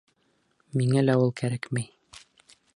Миңә лә ул кәрәкмәй!